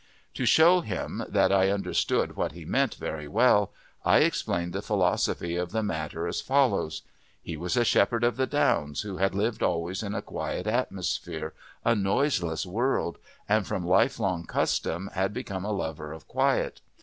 To show him that I understood what he meant very well, I explained the philosophy of the matter as follows: He was a shepherd of the downs, who had lived always in a quiet atmosphere, a noiseless world, and from lifelong custom had become a lover of quiet.